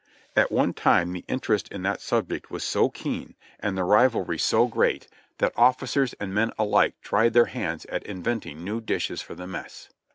At one time the interest in that subject was so keen, and the rivalry so great. 74 JOHNNY REB AND BIIvI.Y YANK that officers and men alike tried their hands at inventing new dishes for the mess.